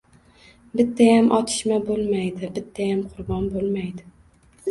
Bittayam otishma bo‘lmaydi, bittayam qurbon bo‘lmaydi!